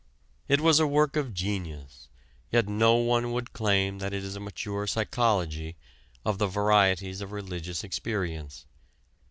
It was a work of genius, yet no one would claim that it is a mature psychology of the "Varieties of Religious Experience."